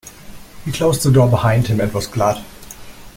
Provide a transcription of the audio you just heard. He closed the door behind him, and was glad.